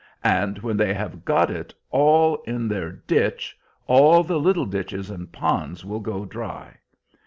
And when they have got it all in their ditch, all the little ditches and the ponds will go dry.